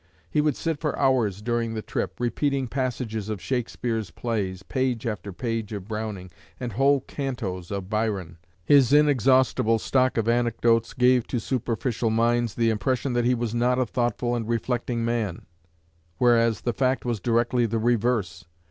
He would sit for hours during the trip, repeating passages of Shakespeare's plays, page after page of Browning, and whole cantos of Byron. His inexhaustible stock of anecdotes gave to superficial minds the impression that he was not a thoughtful and reflecting man; whereas the fact was directly the reverse.